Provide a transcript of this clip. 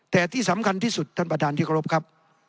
แต่ที่สำคัญที่สุดท่านประธานที่เคารพครับ